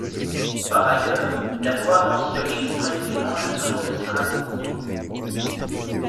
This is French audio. Par ailleurs, la loi mentionne expressément le nom de Strasbourg.